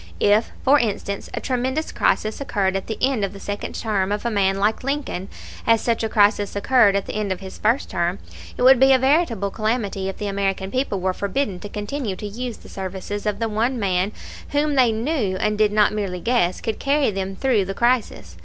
If, for instance, a tremendous crisis occurred at the end of the second term of a man like Lincoln, as such a crisis occurred at the end of his first term, it would be a veritable calamity if the American people were forbidden to continue to use the services of the one man whom they knew, and did not merely guess, could carry them through the crisis.